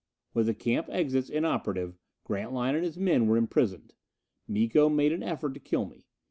With the camp exits inoperative, Grantline and his men were imprisoned. Miko made an effort to kill me.